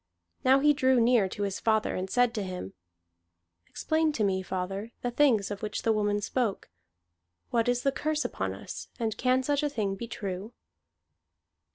Now he drew near to his father, and said to him: "Explain to me, father, the things of which the woman spoke. What is the curse upon us, and can such a thing be true?"